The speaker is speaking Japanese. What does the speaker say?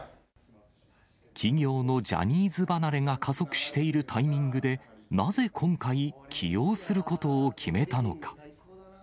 企業のジャニーズ離れが加速しているタイミングで、なぜ今回、起用することを決めたのか。